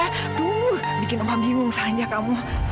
aduh bikin mama bingung saja kamu